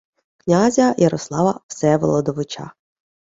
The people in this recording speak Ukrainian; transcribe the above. князя Ярослава Всеволодовича